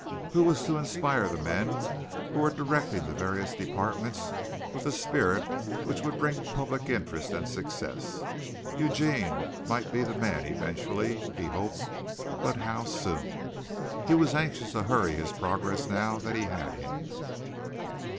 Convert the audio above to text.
Who was to inspire the men who were directing the various departments with the spirit which would bring public interest and success? Eugene might be the man eventually he hoped, but how soon? He was anxious to hurry his progress now that he had him.